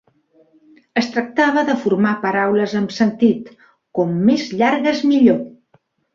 Es tractava de formar paraules amb sentit, com més llargues millor.